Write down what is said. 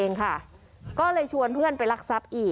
นี่นี่นี่นี่นี่